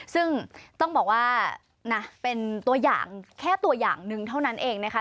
ซึ่งต้องบอกว่านะเป็นตัวอย่างแค่ตัวอย่างหนึ่งเท่านั้นเองนะคะ